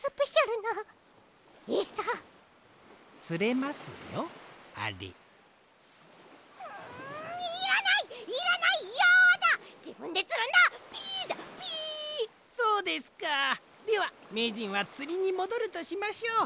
ではめいじんはつりにもどるとしましょう。